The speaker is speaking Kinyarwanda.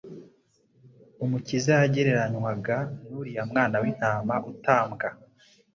Umukiza yagereranywaga n’uriya mwana w'intama utambwa,